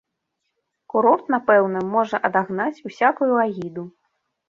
Курорт, напэўна, можа адагнаць усякую агіду.